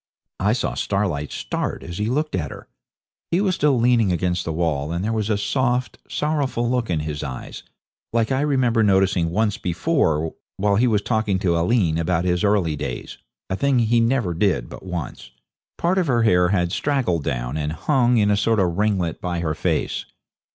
I saw Starlight start as he looked at her. He was still leaning against the wall, and there was a soft, sorrowful look in his eyes, like I remember noticing once before while he was talking to Aileen about his early days, a thing he never did but once. Part of her hair had straggled down, and hung in a sort of ringlet by her face.